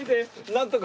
なんとか。